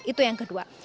itu yang kedua